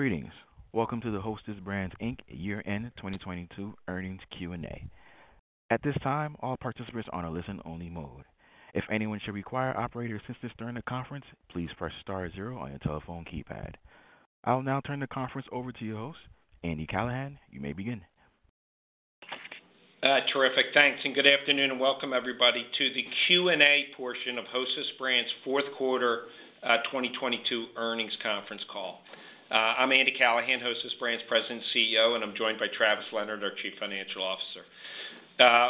Greetings. Welcome to the Hostess Brands, Inc. Year-end 2022 Earnings Q&A. At this time, all participants are on a listen-only mode. If anyone should require operator assistance during the conference, please press star zero on your telephone keypad. I'll now turn the conference over to your host, Andy Callahan. You may begin. Terrific. Good afternoon, and welcome everybody to the Q&A portion of Hostess Brands' fourth quarter 2022 earnings conference call. I'm Andy Callahan, Hostess Brands President and CEO, and I'm joined by Travis Leonard, our Chief Financial Officer.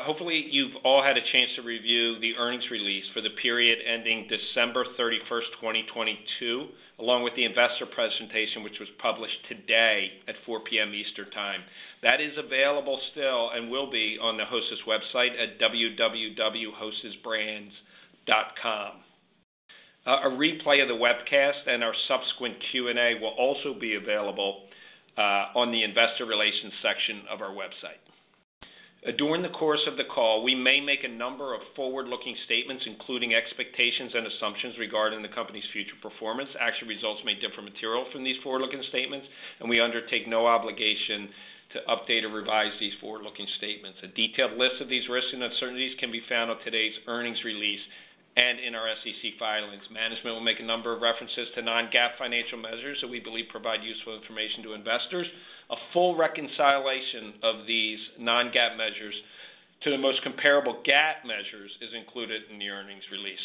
Hopefully, you've all had a chance to review the earnings release for the period ending December 31, 2022, along with the investor presentation, which was published today at 4:00 P.M. Eastern Time. That is available still and will be on the Hostess website at www.hostessbrands.com. A replay of the webcast and our subsequent Q&A will also be available on the Investor Relations section of our website. During the course of the call, we may make a number of forward-looking statements, including expectations and assumptions regarding the Company's future performance. Actual results may differ material from these forward-looking statements. We undertake no obligation to update or revise these forward-looking statements. A detailed list of these risks and uncertainties can be found on today's earnings release and in our SEC filings. Management will make a number of references to non-GAAP financial measures that we believe provide useful information to investors. A full reconciliation of these non-GAAP measures to the most comparable GAAP measures is included in the earnings release.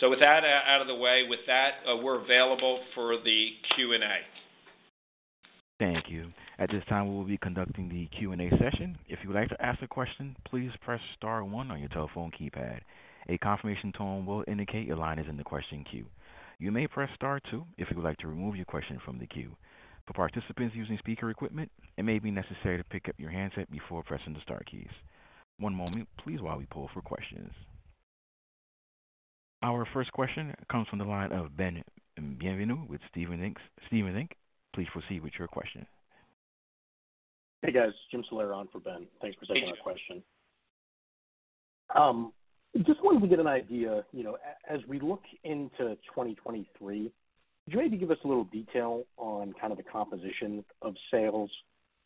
With that out of the way, with that, we're available for the Q&A. Thank you. At this time, we will be conducting the Q&A session. If you would like to ask a question, please press star one on your telephone keypad. A confirmation tone will indicate your line is in the question queue. You may press star two if you would like to remove your question from the queue. For participants using speaker equipment, it may be necessary to pick up your handset before pressing the star keys. One moment, please, while we pull for questions. Our first question comes from the line of Ben Bienvenu with Stephens Inc. Please proceed with your question. Hey, guys. Jim Salera on for Ben. Thanks for taking my question. Just wanted to get an idea, you know, as we look into 2023, could you maybe give us a little detail on kind of the composition of sales?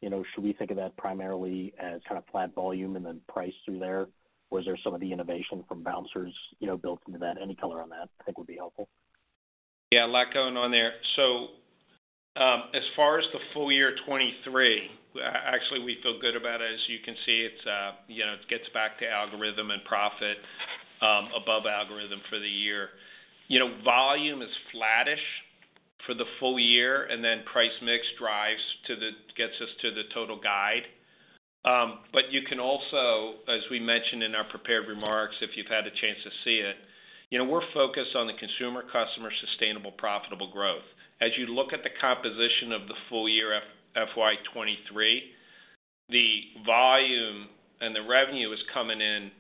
You know, should we think of that primarily as kind of flat volume and then price through there? Was there some of the innovation from Bouncers, you know, built into that? Any color on that I think would be helpful. Yeah. A lot going on there. As far as the full year 2023, actually, we feel good about it. As you can see, it's, you know, it gets back to algorithm and profit above algorithm for the year. You know, volume is flattish for the full year, then price/mix drives to the gets us to the total guide. You can also, as we mentioned in our prepared remarks, if you've had a chance to see it, you know, we're focused on the consumer customer sustainable, profitable growth. As you look at the composition of the full year FY23, the volume and the revenue is coming in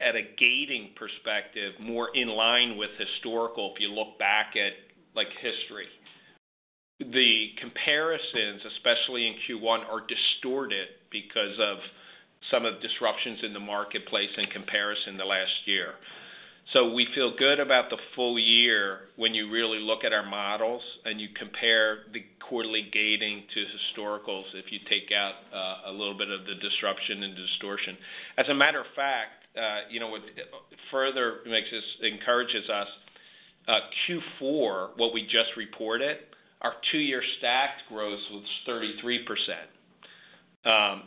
at a gating perspective, more in line with historical, if you look back at, like, history. The comparisons, especially in Q1, are distorted because of some of disruptions in the marketplace in comparison to last year. We feel good about the full year when you really look at our models and you compare the quarterly gating to historicals if you take out a little bit of the disruption and distortion. As a matter of fact, you know, what further encourages us, Q4, what we just reported, our two-year stacked growth was 33%.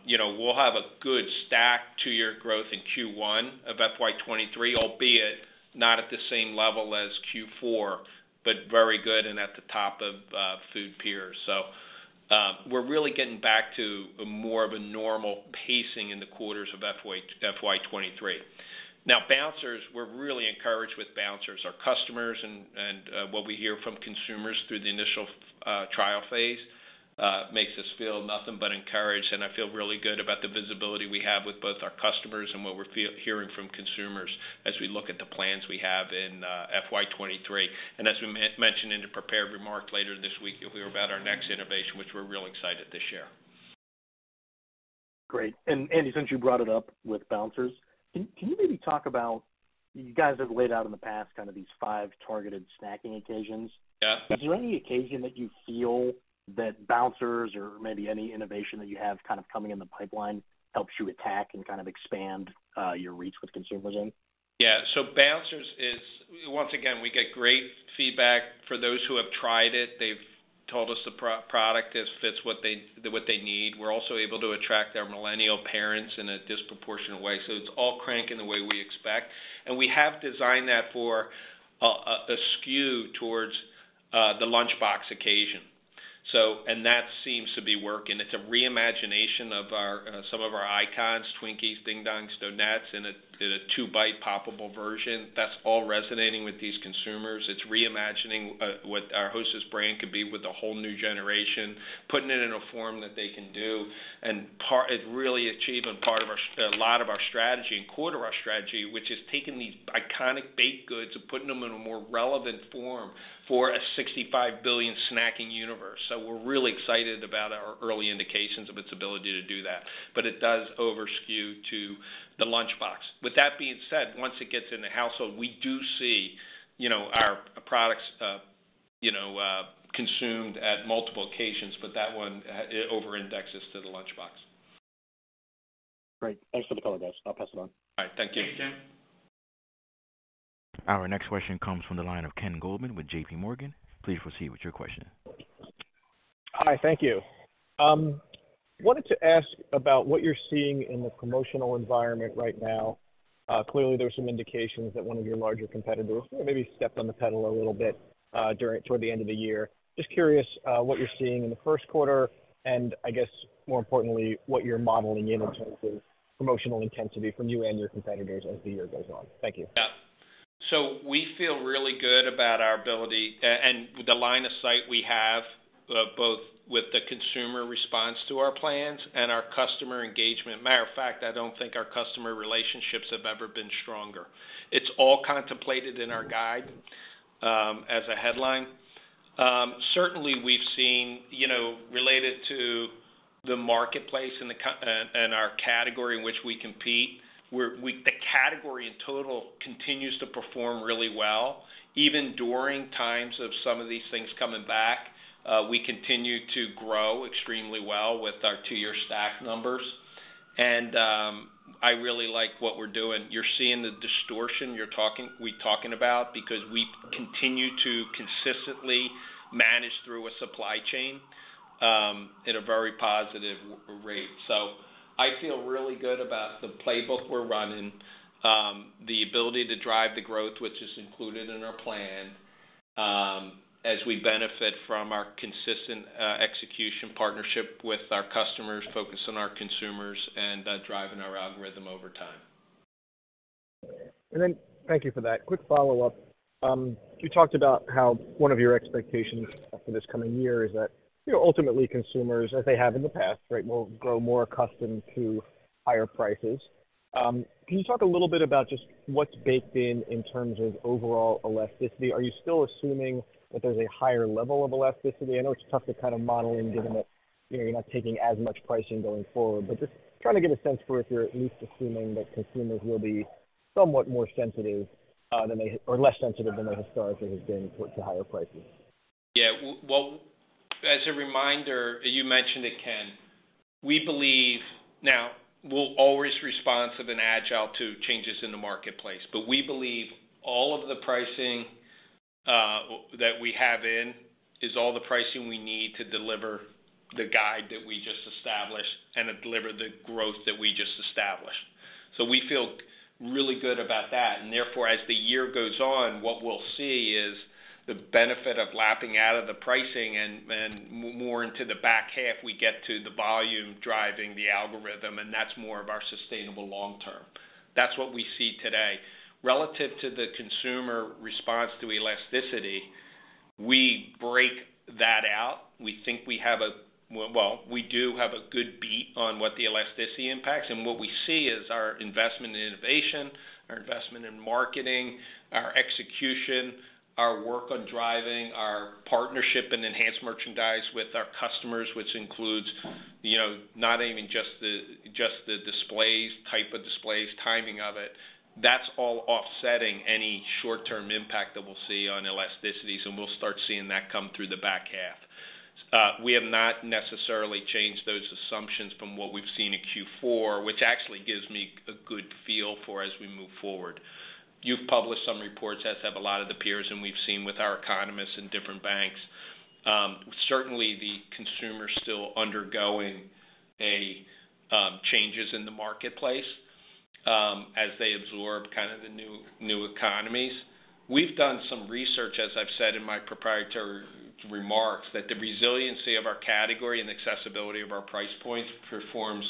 You know, we'll have a good stacked two-year growth in Q1 of FY2023, albeit not at the same level as Q4, but very good and at the top of food peers. We're really getting back to a more of a normal pacing in the quarters of FY2023. Bouncers, we're really encouraged with Bouncers. Our customers, what we hear from consumers through the initial trial phase makes us feel nothing but encouraged, and I feel really good about the visibility we have with both our customers and what we're hearing from consumers as we look at the plans we have in FY23. As we mentioned in the prepared remarks, later this week, you'll hear about our next innovation, which we're real excited to share. Great. Andy, since you brought it up with Bouncers, can you maybe talk about. You guys have laid out in the past kind of these five targeted snacking occasions. Yeah. Is there any occasion that you feel that Bouncers or maybe any innovation that you have kind of coming in the pipeline helps you attack and kind of expand your reach with consumers then? Bouncers. Once again, we get great feedback. For those who have tried it, they've told us the pro-product fits what they, what they need. We're also able to attract their Millennial parents in a disproportionate way. It's all cranking the way we expect. We have designed that for a skew towards the lunchbox occasion. That seems to be working. It's a re-imagination of our some of our icons, Twinkies, Ding Dongs, Donettes, in a two-bite poppable version. That's all resonating with these consumers. It's reimagining what our Hostess brand could be with a whole new generation, putting it in a form that they can do. It's really achieving a lot of our strategy and core to our strategy, which is taking these iconic baked goods and putting them in a more relevant form for a $65 billion snacking universe. We're really excited about our early indications of its ability to do that. It does over skew to the lunchbox. With that being said, once it gets in the household, we do see. You know, our products, you know, consumed at multiple occasions, but that one over-indexes to the lunchbox. Great. Thanks for the color, guys. I'll pass it on. All right, thank you. Thanks, Jim. Our next question comes from the line of Ken Goldman with JPMorgan. Please proceed with your question. Hi, thank you. Wanted to ask about what you're seeing in the promotional environment right now. Clearly, there are some indications that one of your larger competitors maybe stepped on the pedal a little bit toward the end of the year. Just curious, what you're seeing in the first quarter, and I guess more importantly, what you're modeling in terms of promotional intensity from you and your competitors as the year goes on? Thank you. We feel really good about our ability and the line of sight we have, both with the consumer response to our plans and our customer engagement. Matter of fact, I don't think our customer relationships have ever been stronger. It's all contemplated in our guide, as a headline. Certainly we've seen, you know, related to the marketplace and the category in which we compete, we the category in total continues to perform really well. Even during times of some of these things coming back, we continue to grow extremely well with our two-year stack numbers. I really like what we're doing. You're seeing the distortion, we talking about because we continue to consistently manage through a supply chain, at a very positive rate. I feel really good about the playbook we're running, the ability to drive the growth which is included in our plan, as we benefit from our consistent execution partnership with our customers, focus on our consumers, and driving our algorithm over time. Thank you for that. Quick follow-up. You talked about how 1 of your expectations for this coming year is that, you know, ultimately consumers, as they have in the past, right, will grow more accustomed to higher prices. Can you talk a little bit about just what's baked in in terms of overall elasticity? Are you still assuming that there's a higher level of elasticity? I know it's tough to kind of model given that, you know, you're not taking as much pricing going forward, but just trying to get a sense for if you're at least assuming that consumers will be somewhat more sensitive than they or less sensitive than they historically have been to higher prices. Yeah. Well, as a reminder, you mentioned it, Ken, we believe now we'll always responsive and agile to changes in the marketplace. We believe all of the pricing that we have in is all the pricing we need to deliver the guide that we just established and to deliver the growth that we just established. We feel really good about that. Therefore, as the year goes on, what we'll see is the benefit of lapping out of the pricing and more into the back half, we get to the volume driving the algorithm, and that's more of our sustainable long term. That's what we see today. Relative to the consumer response to elasticity, we break that out. We think we have Well, we do have a good beat on what the elasticity impacts. What we see is our investment in innovation, our investment in marketing, our execution, our work on driving our partnership and enhanced merchandise with our customers, which includes, you know, not even just the displays, type of displays, timing of it. That's all offsetting any short-term impact that we'll see on elasticities, and we'll start seeing that come through the back half. We have not necessarily changed those assumptions from what we've seen in Q4, which actually gives me a good feel for as we move forward. You've published some reports, as have a lot of the peers, and we've seen with our economists in different banks. Certainly the consumer is still undergoing a changes in the marketplace, as they absorb kind of the new economies. We've done some research, as I've said in my proprietary remarks, that the resiliency of our category and accessibility of our price points performs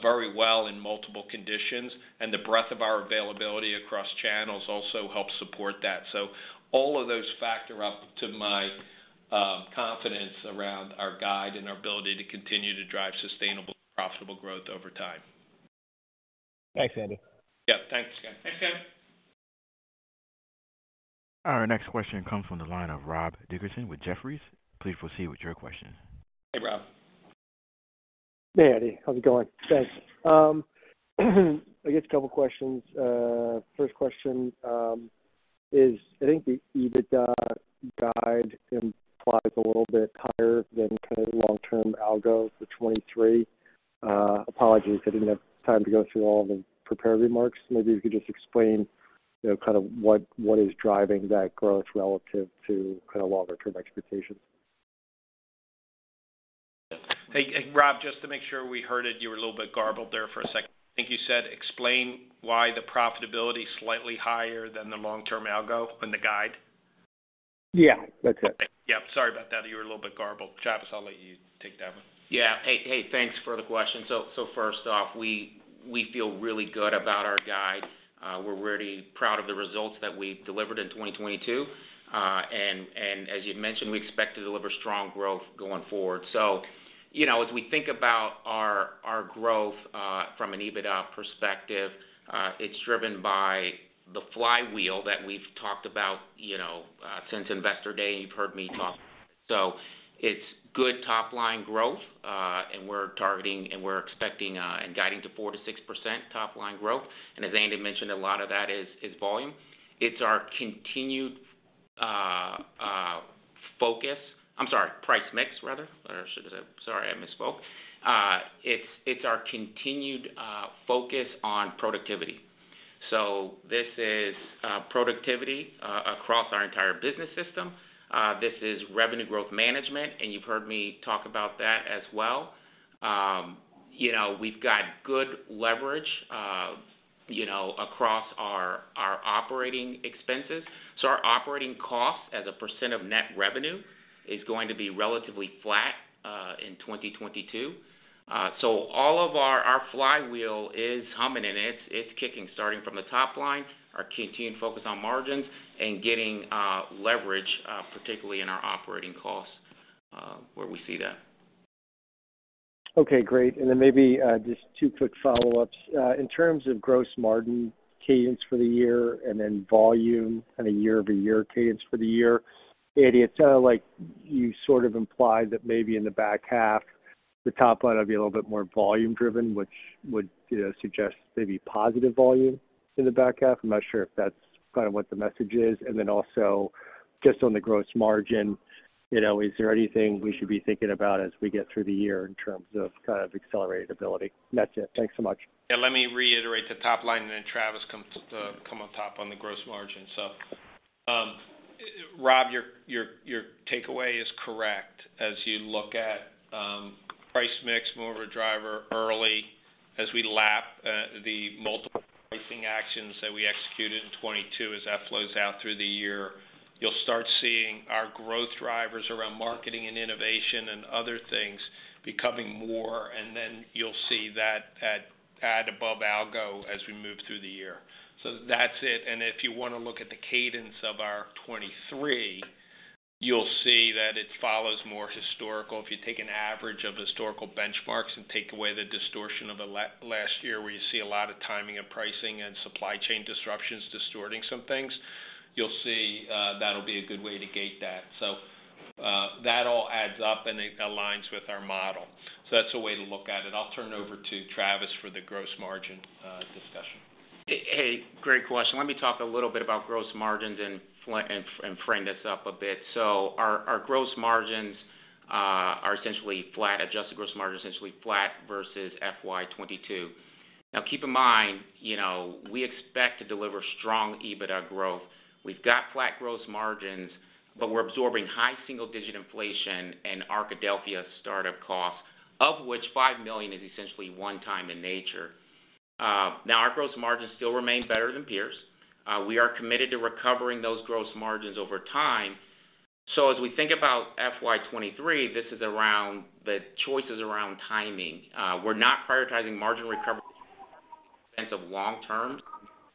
very well in multiple conditions, and the breadth of our availability across channels also helps support that. All of those factor up to my confidence around our guide and our ability to continue to drive sustainable, profitable growth over time. Thanks, Andy. Yeah, thanks, Ken. Thanks, Ken. Our next question comes from the line of Rob Dickerson with Jefferies. Please proceed with your question. Hey, Rob. Hey, Andy. How's it going? Thanks. I guess a couple questions. First question is I think the EBITDA guide implies a little bit higher than kind of long-term algo for 23. Apologies, I didn't have time to go through all the prepared remarks. Maybe you could just explain, you know, kind of what is driving that growth relative to kind of longer term expectations. Hey, Rob, just to make sure we heard it, you were a little bit garbled there for a second. I think you said explain why the profitability is slightly higher than the long-term algo in the guide. Yeah, that's it. Yeah, sorry about that. You were a little bit garbled. Travis, I'll let you take that one. Yeah. Hey, thanks for the question. First off, we feel really good about our guide. We're really proud of the results that we delivered in 2022. As you mentioned, we expect to deliver strong growth going forward. You know, as we think about our growth from an EBITDA perspective, it's driven by the flywheel that we've talked about, you know, since Investor Day, and you've heard me talk. It's good top line growth, and we're targeting and we're expecting and guiding to 4%-6% top line growth. As Andy mentioned, a lot of that is volume. It's our continued focus. I'm sorry, price-mix rather. Should I say... Sorry, I misspoke. It's our continued focus on productivity. This is productivity across our entire business system. This is revenue growth management, and you've heard me talk about that as well. You know, we've got good leverage, you know, across our operating expenses. Our operating costs as a percent of net revenue is going to be relatively flat in 2022. All of our flywheel is humming and it's kicking starting from the top line, our key team focus on margins and getting leverage, particularly in our operating costs, where we see that. Okay, great. Maybe, just two quick follow-ups. In terms of gross margin cadence for the year and then volume and a year-over-year cadence for the year. Andy, it sounded like you sort of implied that maybe in the back half, the top line will be a little bit more volume driven, which would, you know, suggest maybe positive volume in the back half. I'm not sure if that's kind of what the message is. Also just on the gross margin, you know, is there anything we should be thinking about as we get through the year in terms of kind of accelerated ability? That's it. Thanks so much. Let me reiterate the top line, then Travis come on top on the gross margin. Rob, your takeaway is correct. As you look at price-mix more of a driver early as we lap the multiple pricing actions that we executed in 2022, as that flows out through the year, you'll start seeing our growth drivers around marketing and innovation and other things becoming more, and then you'll see that at above algo as we move through the year. That's it. If you wanna look at the cadence of our 2023, you'll see that it follows more historical. If you take an average of historical benchmarks and take away the distortion of the last year, where you see a lot of timing and pricing and supply chain disruptions distorting some things, you'll see, that'll be a good way to gate that. That all adds up, and it aligns with our model. That's a way to look at it. I'll turn over to Travis for the gross margin discussion. Hey, great question. Let me talk a little bit about gross margins and frame this up a bit. Our gross margins are essentially flat. Adjusted gross margin is essentially flat versus FY2022. Keep in mind, you know, we expect to deliver strong EBITDA growth. We've got flat gross margins, but we're absorbing high single-digit inflation and Arkadelphia startup costs, of which $5 million is essentially one time in nature. Our gross margins still remain better than peers. We are committed to recovering those gross margins over time. As we think about FY2023, this is around the choices around timing. We're not prioritizing margin recovery sense of long term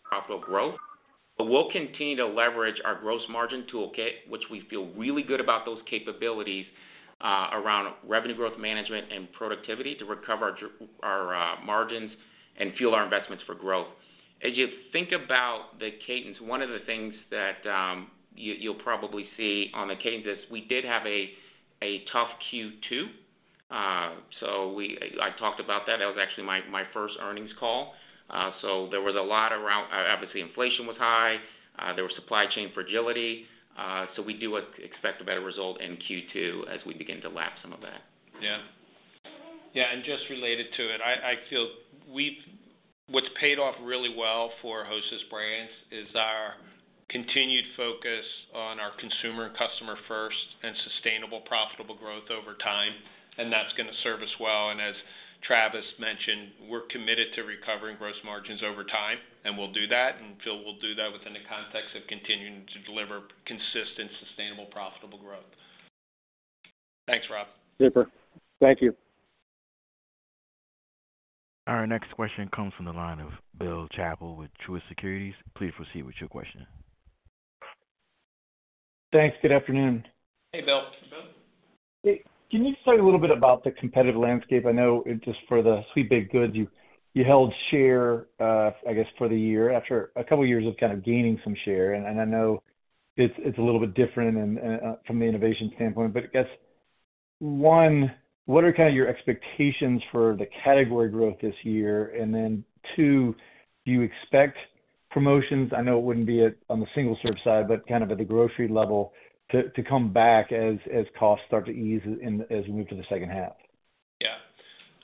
profitable growth, but we'll continue to leverage our gross margin toolkit, which we feel really good about those capabilities, around revenue growth management and productivity to recover our margins and fuel our investments for growth. As you think about the cadence, one of the things that you'll probably see on the cadence is we did have a tough Q2. I talked about that. That was actually my first earnings call. There was a lot around. Obviously, inflation was high, there was supply chain fragility. We do expect a better result in Q2 as we begin to lap some of that. Yeah. Just related to it, I feel we've what's paid off really well for Hostess Brands is our continued focus on our consumer and customer first and sustainable, profitable growth over time, and that's gonna serve us well. As Travis mentioned, we're committed to recovering gross margins over time, and we'll do that, and feel we'll do that within the context of continuing to deliver consistent, sustainable, profitable growth. Thanks, Rob. Super. Thank you. Our next question comes from the line of Bill Chappell with Truist Securities. Please proceed with your question. Thanks. Good afternoon. Hey, Bill. Bill. Can you just tell me a little bit about the competitive landscape? I know just for the sweet baked goods, you held share, I guess, for the year after 2 years of kind of gaining some share. I know it's a little bit different from an innovation standpoint, but I guess, 1, what are kind of your expectations for the category growth this year? 2, do you expect promotions? I know it wouldn't be on the single serve side, but kind of at the grocery level to come back as costs start to ease as we move to the second half. Yeah.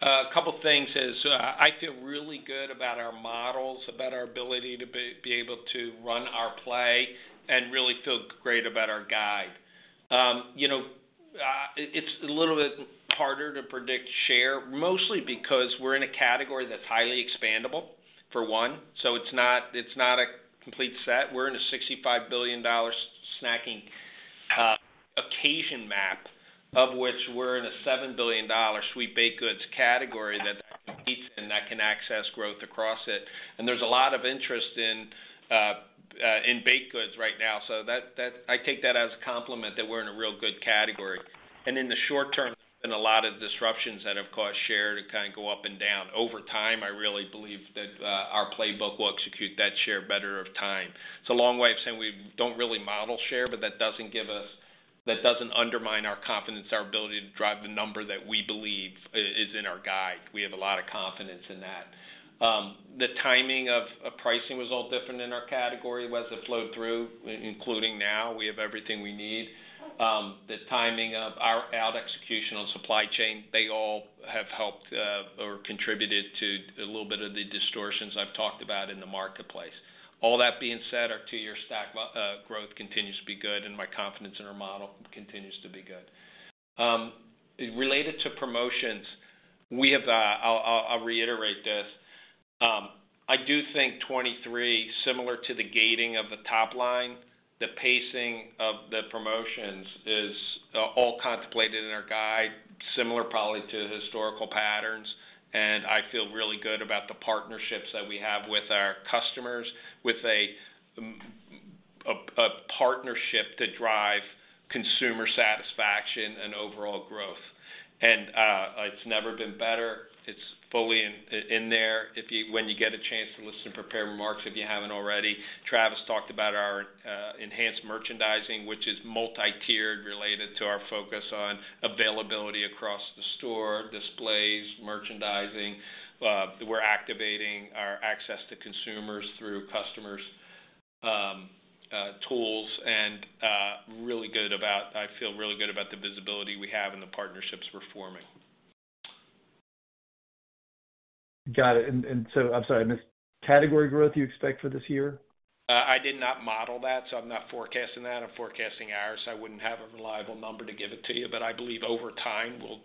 A couple of things is I feel really good about our models, about our ability to be able to run our play and really feel great about our guide. You know, it's a little bit harder to predict share, mostly because we're in a category that's highly expandable, for one. It's not a complete set. We're in a $65 billion snacking occasion map of which we're in a $7 billion sweet baked goods category that competes and that can access growth across it. There's a lot of interest in baked goods right now. That I take that as a compliment that we're in a real good category. And in the short term, been a lot of disruptions that have caused share to kind of go up and down. Over time, I really believe that our playbook will execute that share better over time. It's a long way of saying we don't really model share. That doesn't undermine our confidence, our ability to drive the number that we believe is in our guide. We have a lot of confidence in that. The timing of pricing was all different in our category, whether it flowed through, including now we have everything we need. The timing of our execution on supply chain, they all have helped or contributed to a little bit of the distortions I've talked about in the marketplace. All that being said, our 2-year stack growth continues to be good. My confidence in our model continues to be good. Related to promotions, we have I'll reiterate this. I do think 2023, similar to the gating of the top line, the pacing of the promotions is all contemplated in our guide, similar probably to historical patterns. I feel really good about the partnerships that we have with our customers, with a partnership to drive consumer satisfaction and overall growth. It's never been better. It's fully in there. When you get a chance to listen to prepared remarks, if you haven't already, Travis talked about our enhanced merchandising, which is multi-tiered, related to our focus on availability across the store, displays, merchandising. We're activating our access to consumers through customers' tools and I feel really good about the visibility we have and the partnerships we're forming. Got it. I'm sorry, I missed. Category growth you expect for this year? I did not model that. I'm not forecasting that. I'm forecasting ours. I wouldn't have a reliable number to give it to you, but I believe over time, we'll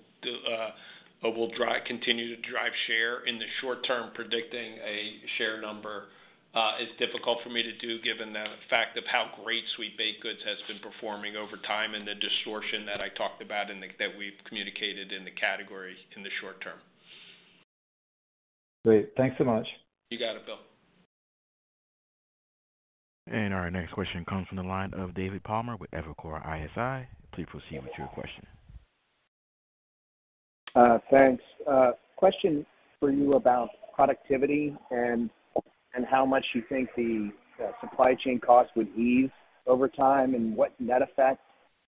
continue to drive share. In the short term, predicting a share number is difficult for me to do given the fact of how great sweet baked goods has been performing over time and the distortion that I talked about that we've communicated in the category in the short term. Great. Thanks so much. You got it, Bill. Our next question comes from the line of David Palmer with Evercore ISI. Please proceed with your question. Thanks. A question for you about productivity and how much you think the supply chain costs would ease over time and what net effect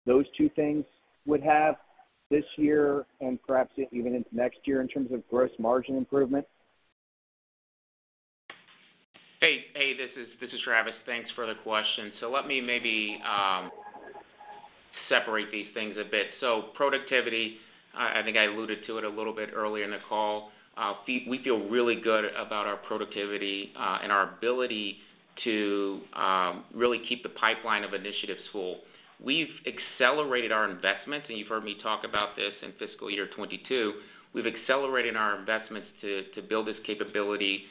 those two things would have this year and perhaps even into next year in terms of gross margin improvement. Hey, hey, this is Travis. Thanks for the question. Let me maybe, separate these things a bit. Productivity, I think I alluded to it a little bit earlier in the call. We feel really good about our productivity, and our ability to, really keep the pipeline of initiatives full. We've accelerated our investments, and you've heard me talk about this in fiscal year 2022. We've accelerated our investments to build this capability,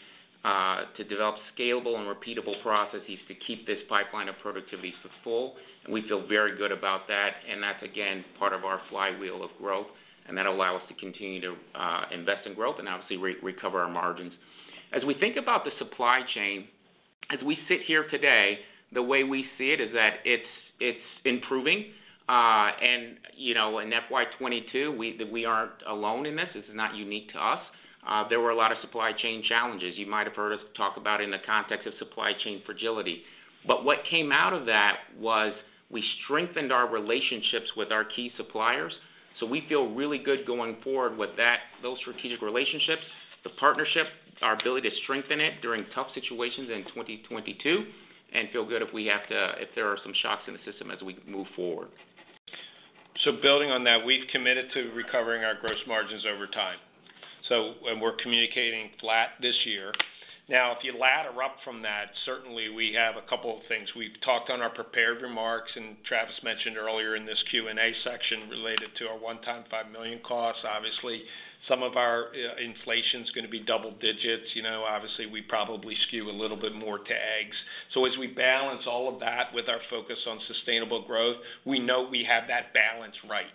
to develop scalable and repeatable processes to keep this pipeline of productivity full, and we feel very good about that. That's again, part of our flywheel of growth, and that allow us to continue to, invest in growth and obviously re-recover our margins. As we think about the supply chain, as we sit here today, the way we see it is that it's improving. You know, in FY2022, we aren't alone in this. This is not unique to us. There were a lot of supply chain challenges. You might have heard us talk about in the context of supply chain fragility. What came out of that was we strengthened our relationships with our key suppliers. We feel really good going forward with that, those strategic relationships, the partnership, our ability to strengthen it during tough situations in 2022, and feel good if there are some shocks in the system as we move forward. Building on that, we've committed to recovering our gross margins over time. We're communicating flat this year. If you ladder up from that, certainly we have a couple of things. We've talked on our prepared remarks, and Travis mentioned earlier in this Q&A section related to our one-time $5 million costs. Obviously, some of our inflation's gonna be double digits. You know, obviously, we probably skew a little bit more to eggs. As we balance all of that with our focus on sustainable growth, we know we have that balance right.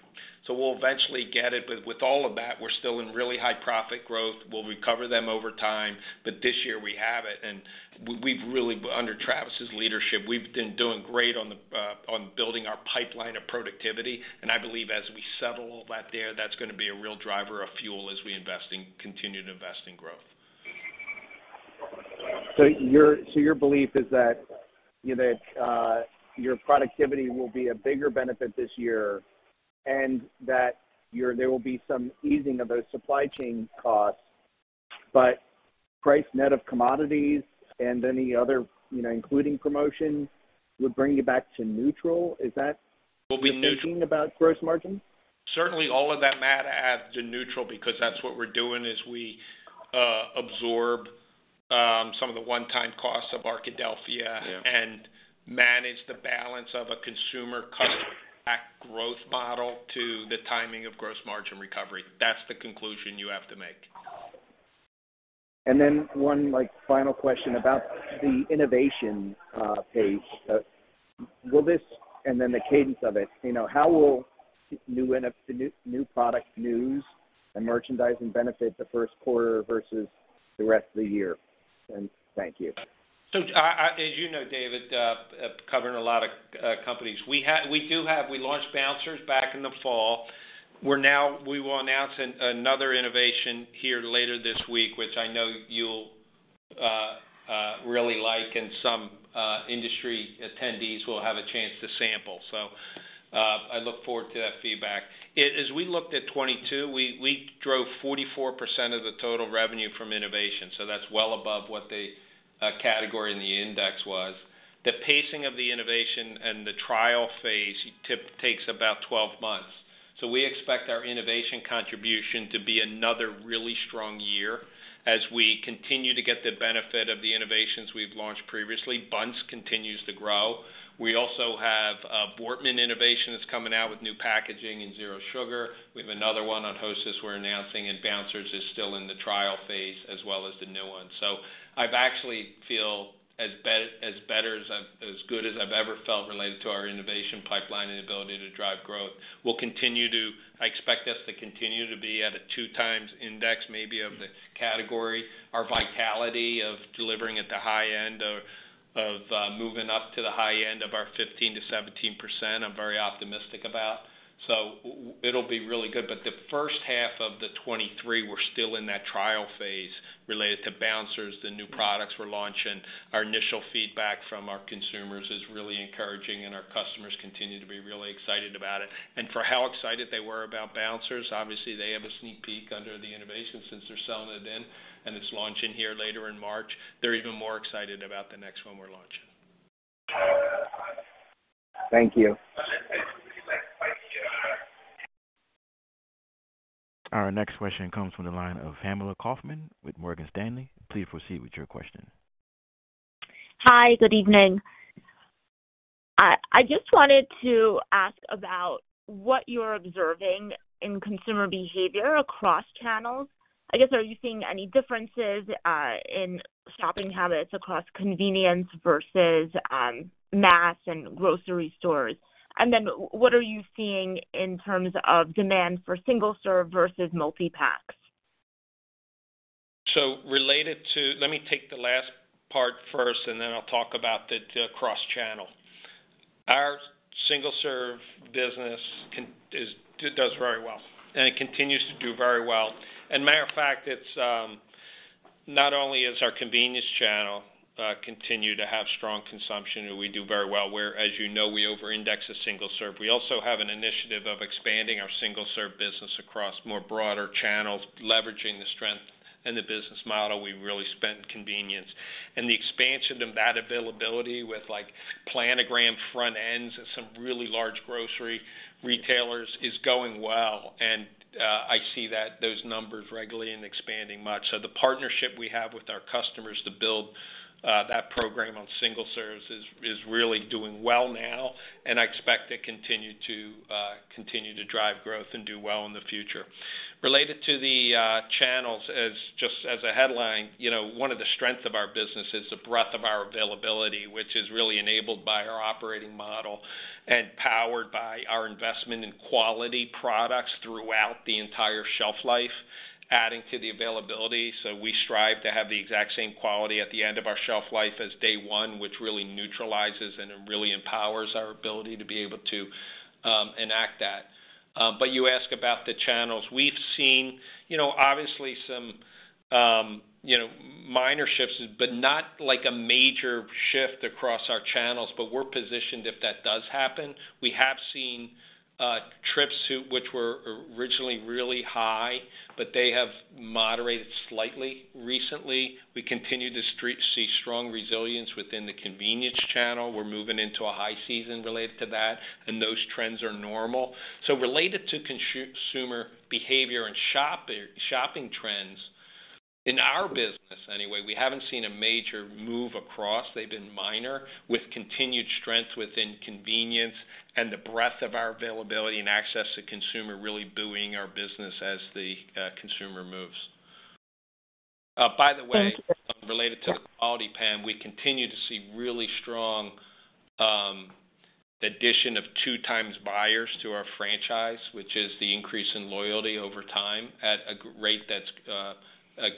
We'll eventually get it, but with all of that, we're still in really high profit growth. We'll recover them over time, but this year we have it. We've really, under Travis's leadership, we've been doing great on building our pipeline of productivity. I believe as we settle all that there, that's gonna be a real driver of fuel as we continue to invest in growth. Your belief is that, you know, your productivity will be a bigger benefit this year and that there will be some easing of those supply chain costs, but price net of commodities and any other, you know, including promotion, would bring you back to neutral. Is that? We'll be neutral. the thinking about gross margin? Certainly, all of that math adds to neutral because that's what we're doing as we absorb some of the one-time costs of Arkadelphia. Yeah. Manage the balance of a consumer customer growth model to the timing of gross margin recovery. That's the conclusion you have to make. One, like, final question about the innovation pace and then the cadence of it. You know, how will the new product news and merchandising benefit the first quarter versus the rest of the year? Thank you. As you know, David, covering a lot of companies, we launched Bouncers back in the fall. We will announce another innovation here later this week, which I know you'll really like and some industry attendees will have a chance to sample. I look forward to that feedback. As we looked at 2022, we drove 44% of the total revenue from innovation, so that's well above what the category in the index was. The pacing of the innovation and the trial phase takes about 12 months. We expect our innovation contribution to be another really strong year as we continue to get the benefit of the innovations we've launched previously. Bouncers continues to grow. We also have a Voortman innovation that's coming out with new packaging and Zero Sugar. We have another one on Hostess we're announcing, and Bouncers is still in the trial phase as well as the new one. I actually feel as good as I've ever felt related to our innovation pipeline and ability to drive growth. We'll continue to. I expect us to continue to be at a 2x index maybe of the category. Our vitality of delivering at the high end of moving up to the high end of our 15% to 17%, I'm very optimistic about. It'll be really good. The first half of 2023, we're still in that trial phase related to Bouncers, the new products we're launching. Our initial feedback from our consumers is really encouraging, and our customers continue to be really excited about it. For how excited they were about Bouncers, obviously, they have a sneak peek under the innovation since they're selling it in and it's launching here later in March. They're even more excited about the next one we're launching. Thank you. Our next question comes from the line of Pamela Kaufman with Morgan Stanley. Please proceed with your question. Hi, good evening. I just wanted to ask about what you're observing in consumer behavior across channels. I guess, are you seeing any differences in shopping habits across convenience versus mass and grocery stores? What are you seeing in terms of demand for single-serve versus multi-packs? Let me take the last part first, and then I'll talk about the cross-channel. Our single-serve business does very well, and it continues to do very well. Matter of fact, it's not only is our convenience channel continue to have strong consumption, and we do very well, where, as you know, we over-index a single serve. We also have an initiative of expanding our single-serve business across more broader channels, leveraging the strength in the business model we really spent in convenience. The expansion of that availability with, like, planogram front-ends at some really large grocery retailers is going well, and I see that, those numbers regularly and expanding much. The partnership we have with our customers to build that program on single-serve is really doing well now, and I expect it continue to drive growth and do well in the future. Related to the channels, as just as a headline, you know, one of the strengths of our business is the breadth of our availability, which is really enabled by our operating model and powered by our investment in quality products throughout the entire shelf life, adding to the availability. We strive to have the exact same quality at the end of our shelf life as day one, which really neutralizes and it really empowers our ability to be able to enact that. You ask about the channels. We've seen, obviously some minor shifts, but not like a major shift across our channels, but we're positioned if that does happen. We have seen trips which were originally really high, but they have moderated slightly recently. We continue to see strong resilience within the convenience channel. We're moving into a high season related to that. Those trends are normal. Related to consumer behavior and shopping trends, in our business anyway, we haven't seen a major move across. They've been minor with continued strength within convenience and the breadth of our availability and access to consumer really buoying our business as the consumer moves. By the way. Thank you. Related to the quality, Pam, we continue to see really strong addition of 2 times buyers to our franchise, which is the increase in loyalty over time at a rate that's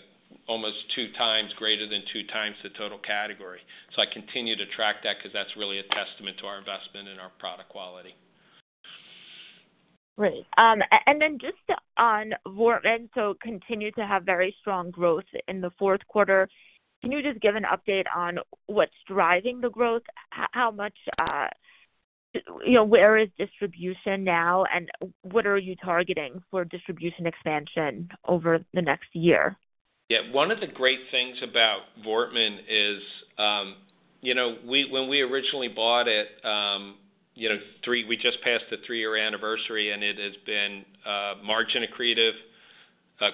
almost 2 times greater than 2 times the total category. I continue to track that because that's really a testament to our investment and our product quality. Great. And then just on Voortman, continued to have very strong growth in the fourth quarter. Can you just give an update on what's driving the growth? How much, you know, where is distribution now, and what are you targeting for distribution expansion over the next year? Yeah. One of the great things about Voortman is, you know, when we originally bought it, you know, we just passed the 3-year anniversary, it has been margin accretive,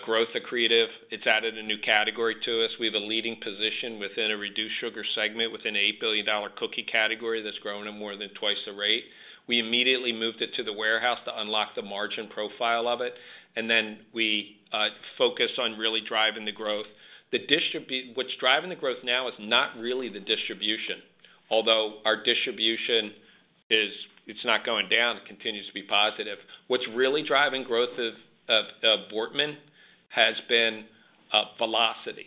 growth accretive. It's added a new category to us. We have a leading position within a reduced sugar segment within a $8 billion cookie category that's grown at more than twice the rate. We immediately moved it to the warehouse to unlock the margin profile of it, then we focus on really driving the growth. What's driving the growth now is not really the distribution. Although our distribution is not going down, it continues to be positive. What's really driving growth of Voortman has been velocity.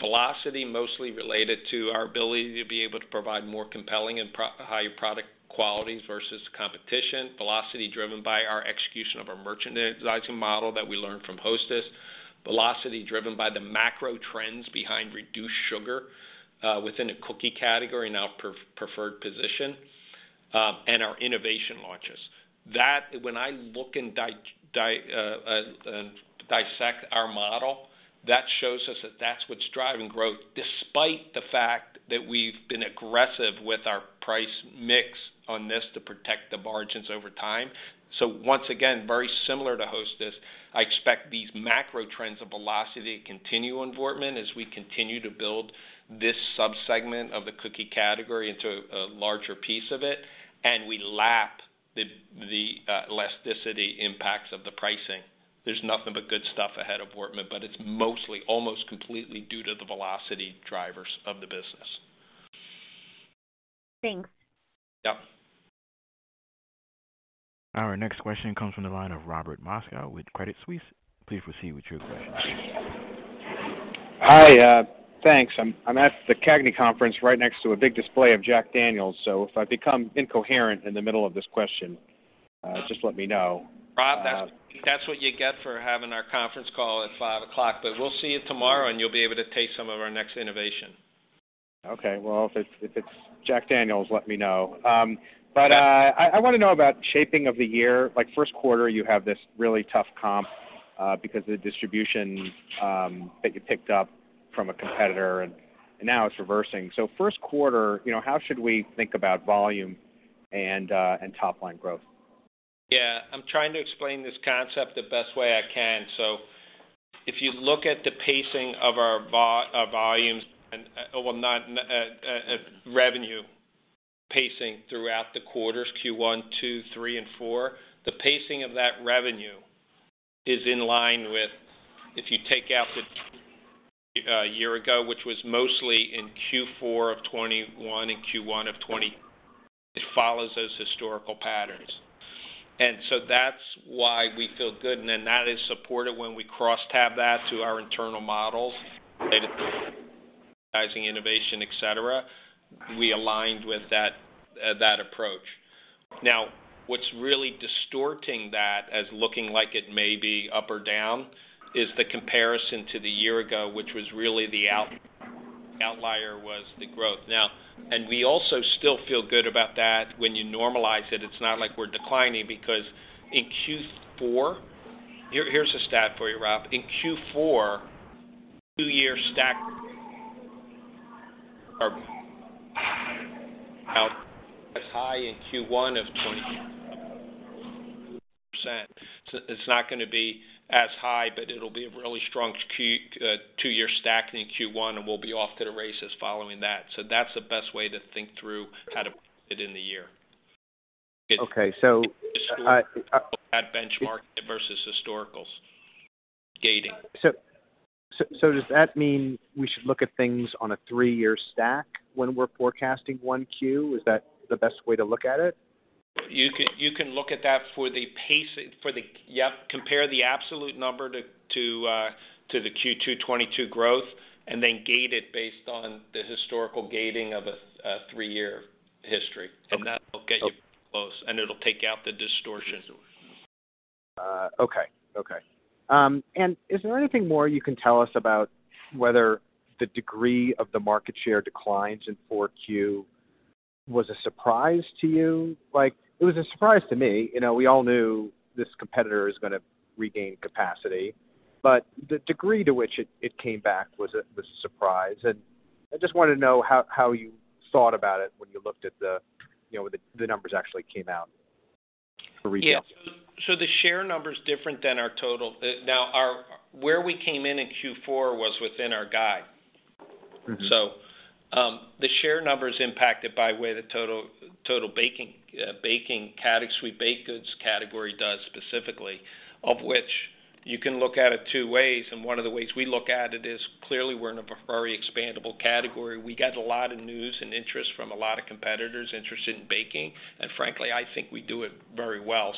Velocity mostly related to our ability to be able to provide more compelling and higher product quality versus competition, velocity driven by our execution of our merchandising model that we learned from Hostess, velocity driven by the macro trends behind reduced sugar within a cookie category in our preferred position, and our innovation launches. When I look and dissect our model, that shows us that that's what's driving growth, despite the fact that we've been aggressive with our price-mix on this to protect the margins over time. Once again, very similar to Hostess, I expect these macro trends of velocity to continue in Voortman as we continue to build this subsegment of the cookie category into a larger piece of it, and we lap the elasticity impacts of the pricing. There's nothing but good stuff ahead of Voortman, but it's mostly almost completely due to the velocity drivers of the business. Thanks. Yep. Our next question comes from the line of Robert Moskow with Credit Suisse. Please proceed with your question. Hi, thanks. I'm at the CAGNY Conference right next to a big display of Jack Daniel's. If I become incoherent in the middle of this question, just let me know. Rob, that's what you get for having our conference call at 5:00 P.M. We'll see you tomorrow, and you'll be able to taste some of our next innovation. Okay. Well, if it's, if it's Jack Daniel's, let me know. I wanna know about shaping of the year. Like, first quarter, you have this really tough comp because of the distribution that you picked up from a competitor and now it's reversing. First quarter, you know, how should we think about volume and top line growth? Yeah. I'm trying to explain this concept the best way I can. If you look at the pacing of our volumes and Well, not, revenue pacing throughout the quarters Q1, 2, 3 and 4, the pacing of that revenue is in line with if you take out the year ago, which was mostly in Q4 of 2021 and Q1 of 2020, it follows those historical patterns. That's why we feel good. Then that is supported when we cross-tab that to our internal models, innovation, et cetera. We aligned with that approach. What's really distorting that as looking like it may be up or down is the comparison to the year ago, which was really the outlier was the growth. We also still feel good about that when you normalize it's not like we're declining because in Q4. Here, here's a stat for you, Rob. In Q4, two-year stack as high in Q1 of 20%. It's not gonna be as high, but it'll be a really strong two-year stack in Q1, and we'll be off to the races following that. That's the best way to think through how to put it in the year. Okay. That benchmark versus historicals gating. Does that mean we should look at things on a three-year stack when we're forecasting 1 Q? Is that the best way to look at it? You can look at that. Yep, compare the absolute number to the Q2 2022 growth and then gate it based on the historical gating of a three-year history. Okay. That'll get you close, and it'll take out the distortion. Okay. Okay. Is there anything more you can tell us about whether the degree of the market share declines in 4Q was a surprise to you? Like, it was a surprise to me. You know, we all knew this competitor is gonna regain capacity, but the degree to which it came back was a surprise. I just wanted to know how you thought about it when you looked at the, you know, the numbers actually came out for retail. Yeah. The share number is different than our total. Now Where we came in in Q4 was within our guide. Mm-hmm. The share number is impacted by way the total baking sweet baked goods category does specifically, of which you can look at it 2 ways, and one of the ways we look at it is clearly we're in a very expandable category. We get a lot of news and interest from a lot of competitors interested in baking. Frankly, I think we do it very well.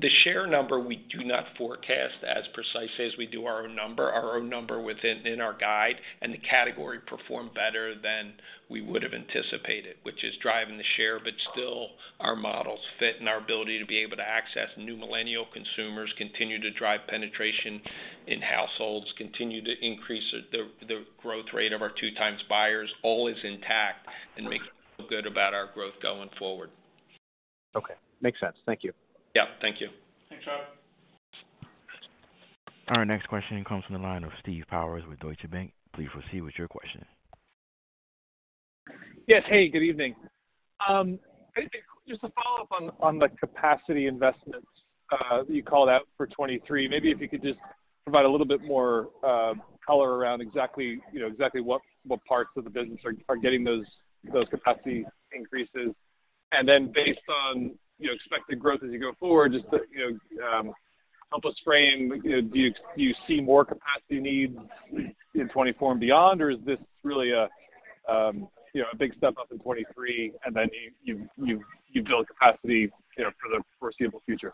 The share number, we do not forecast as precisely as we do our own number, our own number within our guide. The category performed better than we would've anticipated, which is driving the share. Still our models fit and our ability to be able to access new millennial consumers continue to drive penetration in households, continue to increase the growth rate of our 2 times buyers. All is intact and makes us feel good about our growth going forward. Okay. Makes sense. Thank you. Yep. Thank you. Thanks, Rob. Our next question comes from the line of Steve Powers with Deutsche Bank. Please proceed with your question. Yes. Hey, good evening. Just a follow-up on the capacity investments you called out for 2023. Maybe if you could just provide a little bit more color around exactly, you know, what parts of the business are getting those capacity increases. Then based on, you know, expected growth as you go forward, just to, you know, help us frame, do you see more capacity needs in 2024 and beyond? Or is this really a, you know, a big step up in 2023, and then you build capacity, you know, for the foreseeable future?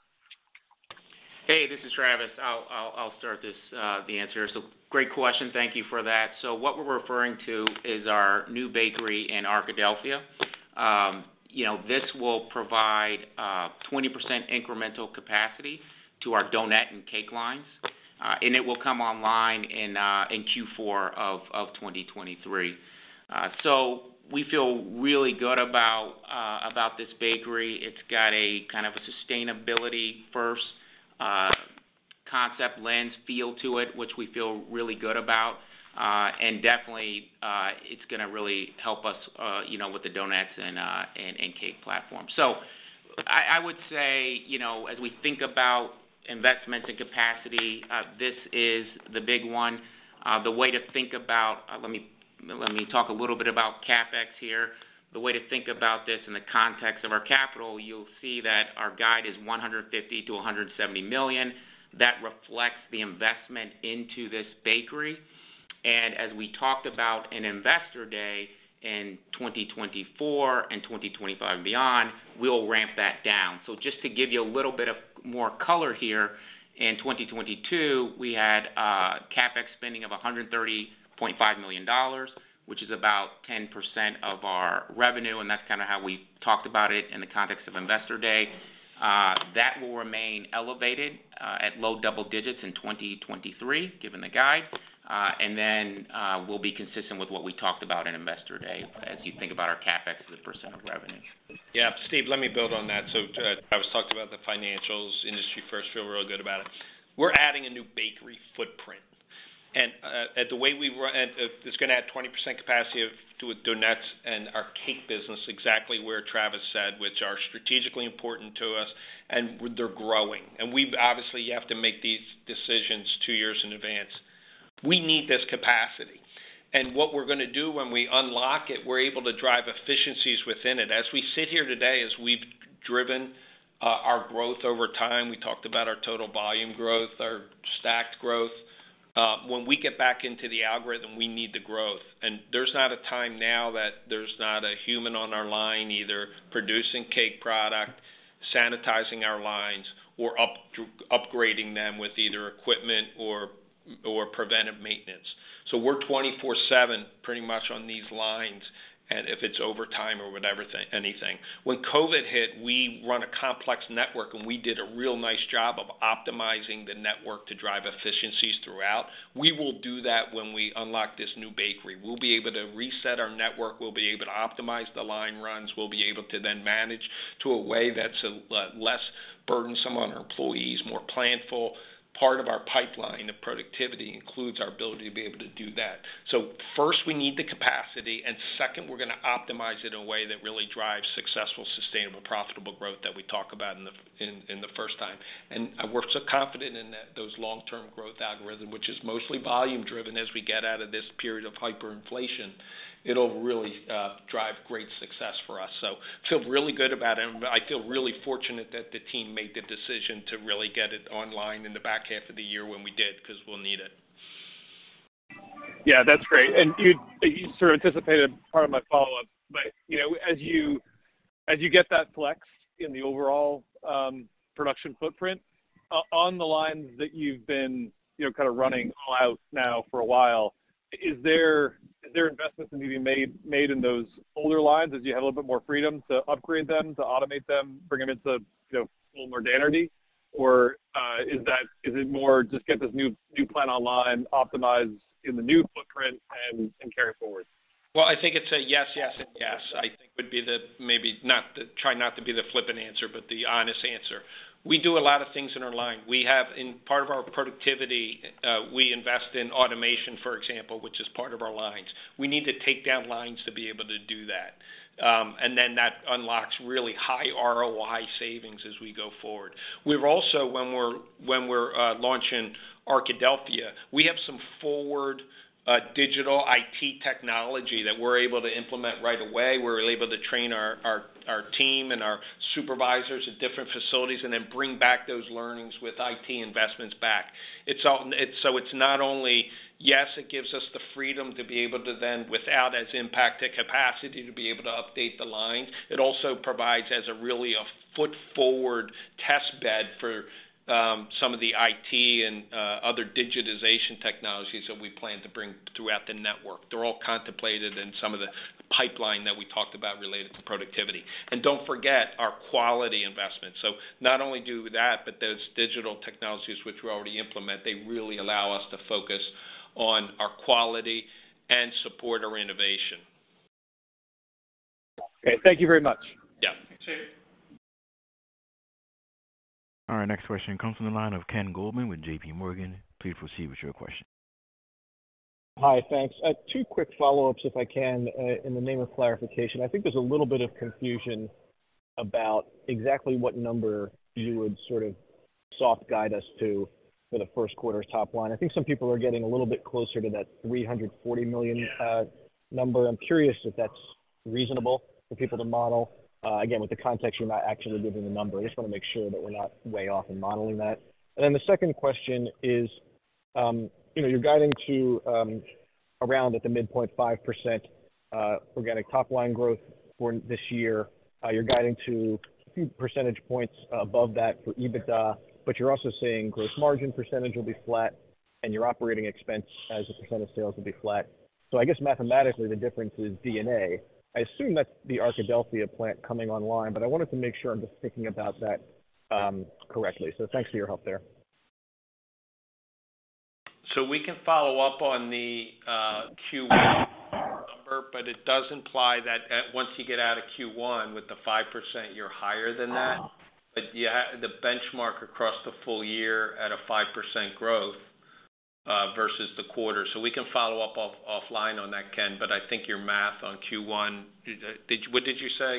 Hey, this is Travis. I'll start this, the answer. Great question. Thank you for that. What we're referring to is our new bakery in Arkadelphia. You know, this will provide 20% incremental capacity to our donut and cake lines. It will come online in Q4 of 2023. We feel really good about this bakery. It's got a kind of a sustainability first concept lens feel to it, which we feel really good about. Definitely, it's gonna really help us, you know, with the donuts and cake platform. I would say, you know, as we think about investments and capacity, this is the big one. The way to think about CapEx here. The way to think about this in the context of our capital, you'll see that our guide is $150 million-$170 million. That reflects the investment into this bakery. As we talked about in Investor Day, in 2024 and 2025 and beyond, we'll ramp that down. Just to give you a little bit of more color here, in 2022, we had CapEx spending of $130.5 million, which is about 10% of our revenue, and that's kinda how we talked about it in the context of Investor Day. That will remain elevated at low double-digits in 2023, given the guide. We'll be consistent with what we talked about in Investor Day as you think about our CapEx as a % of revenue. Yeah. Steve, let me build on that. Travis talked about the financials industry first, feel really good about it. We're adding a new bakery footprint. It's gonna add 20% capacity to donuts and our cake business, exactly where Travis said, which are strategically important to us, and they're growing. Obviously, you have to make these decisions 2 years in advance. We need this capacity. What we're gonna do when we unlock it, we're able to drive efficiencies within it. As we sit here today, as we've driven our growth over time, we talked about our total volume growth, our stacked growth. When we get back into the algorithm, we need the growth. There's not a time now that there's not a human on our line either producing cake product, sanitizing our lines or upgrading them with either equipment or preventive maintenance. We're 24/7 pretty much on these lines. If it's overtime or whatever anything. When COVID hit, we run a complex network, and we did a real nice job of optimizing the network to drive efficiencies throughout. We will do that when we unlock this new bakery. We'll be able to reset our network. We'll be able to optimize the line runs. We'll be able to then manage to a way that's less burdensome on our employees, more planful. Part of our pipeline of productivity includes our ability to be able to do that. First we need the capacity, and second, we're gonna optimize it in a way that really drives successful, sustainable, profitable growth that we talk about in the first time. We're so confident in that those long-term growth algorithm, which is mostly volume driven as we get out of this period of hyperinflation, it'll really drive great success for us. Feel really good about it, and I feel really fortunate that the team made the decision to really get it online in the back half of the year when we did, 'cause we'll need it. Yeah, that's great. You, you sort of anticipated part of my follow-up. You know, as you, as you get that flex in the overall production footprint, on the lines that you've been, you know, kind of running all out now for a while, is there investments need to be made in those older lines as you have a little bit more freedom to upgrade them, to automate them, bring them into, you know, full modernity? Is it more just get this new plant online, optimize in the new footprint and carry forward? I think it's a yes, and yes, I think would be the maybe not the try not to be the flippant answer, but the honest answer. We do a lot of things in our line. We have in part of our productivity, we invest in automation, for example, which is part of our lines. We need to take down lines to be able to do that. That unlocks really high ROI savings as we go forward. We're also, when we're launching Arkadelphia, we have some forward digital IT technology that we're able to implement right away. We're able to train our team and our supervisors at different facilities and then bring back those learnings with IT investments back. It's not only, yes, it gives us the freedom to be able to then, without as impact to capacity, to be able to update the lines. It also provides as a really a foot forward test bed for some of the IT and other digitization technologies that we plan to bring throughout the network. They're all contemplated in some of the pipeline that we talked about related to productivity. Don't forget our quality investment. Not only do that, but those digital technologies which we already implement, they really allow us to focus on our quality and support our innovation. Okay. Thank you very much. Yeah. Sure. Next question comes from the line of Ken Goldman with JPMorgan. Please proceed with your question. Hi, thanks. two quick follow-ups, if I can, in the name of clarification. I think there's a little bit of confusion about exactly what number you would sort of Soft guide us to for the first quarter's top line. I think some people are getting a little bit closer to that $340 million number. I'm curious if that's reasonable for people to model. Again, with the context, you're not actually giving the number. I just wanna make sure that we're not way off in modeling that. The second question is, you know, you're guiding to around at the mid point 5% organic top line growth for this year. You're guiding to a few percentage points above that for EBITDA, but you're also seeing gross margin percentage will be flat and your operating expense as a % of sales will be flat. I guess mathematically, the difference is D&A. I assume that's the Arkadelphia plant coming online. I wanted to make sure I'm just thinking about that, correctly. Thanks for your help there. We can follow up on the Q1 number, but it does imply that at once you get out of Q1 with the 5%, you're higher than that. You have the benchmark across the full year at a 5% growth versus the quarter. We can follow up off-offline on that, Ken, but I think your math on Q1... Did you... What did you say?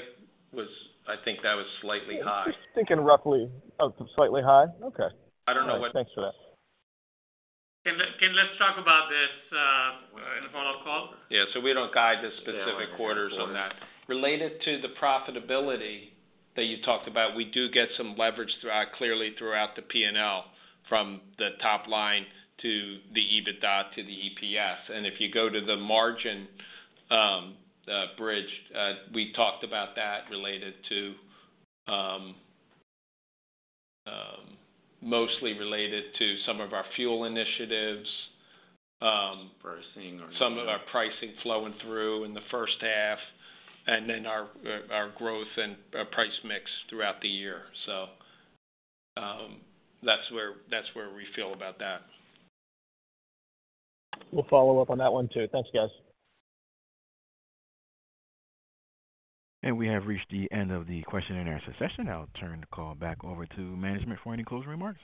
I think that was slightly high. Just thinking roughly of slightly high. Okay. I don't know what- Thanks for that. Ken, let's talk about this in the follow-up call. Yeah. We don't guide the specific quarters on that. Related to the profitability that you talked about, we do get some leverage throughout, clearly throughout the P&L from the top line to the EBITDA to the EPS. If you go to the margin bridge, we talked about that related to mostly related to some of our fuel initiatives, some of our pricing flowing through in the first half, and then our growth and our price-mix throughout the year. That's where we feel about that. We'll follow up on that one too. Thanks, guys. We have reached the end of the question and answer session. I'll turn the call back over to management for any closing remarks.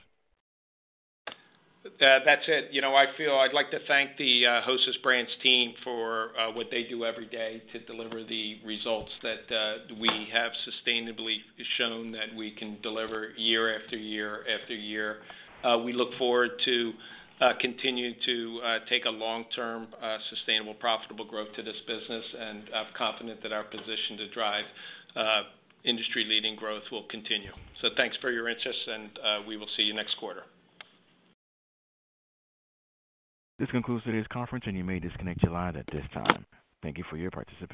That's it. You know, I feel I'd like to thank the Hostess Brands team for what they do every day to deliver the results that we have sustainably shown that we can deliver year after year after year. We look forward to continuing to take a long-term, sustainable, profitable growth to this business. I'm confident that our position to drive industry-leading growth will continue. So thanks for your interest, and we will see you next quarter. This concludes today's conference, and you may disconnect your line at this time. Thank you for your participation.